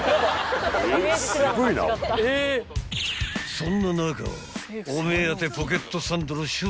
［そんな中］